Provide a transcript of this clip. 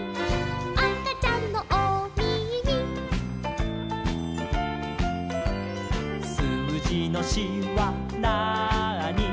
「あかちゃんのおみみ」「すうじの４はなーに」